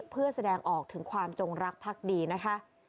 เพื่อแสดงออกถึงความจงรักพักดีนะคะ